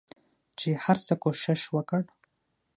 چې هرڅه کوښښ وکړ